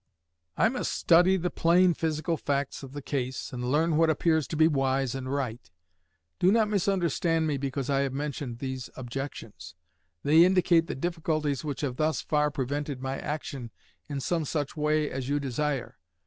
I must study the plain physical facts of the case, and learn what appears to be wise and right.... Do not misunderstand me because I have mentioned these objections. They indicate the difficulties which have thus far prevented my action in some such way as you desire.